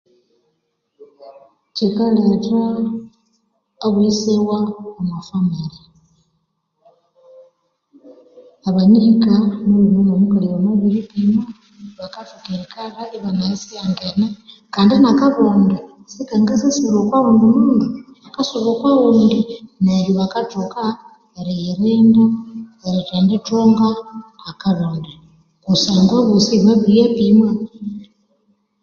Kyikaletha obwiyisiwa omwa famile abanyihika omulhume no mukali bamabiripimwa bakathoka erikalha ibanayisighangene kandi nakabonde sikangasyalhwa okwa ghundi mundu erisuba okwaghundi neryo bakathoka eriyirinda erithendithunga akabonde kusangwa aboosi babiriyapimwa